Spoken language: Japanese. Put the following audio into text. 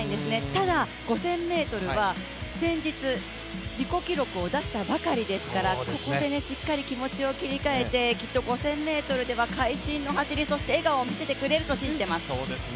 ただ５０００ｍは先日、自己記録を出したばかりですからここでしっかり気持ちを切り替えてきっと５０００ｍでは会心の走り、そして笑顔を見せてくれると信じています。